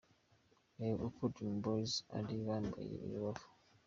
Reba uko Dream Boys bari bambaye i Rubavu.